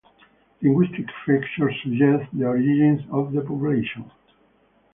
Linguistic features suggest the origins of the population.